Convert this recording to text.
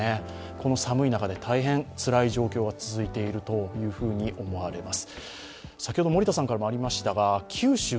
この寒い中でつらい状況が続いているというふうに思われます。